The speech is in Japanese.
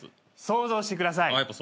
想像してください。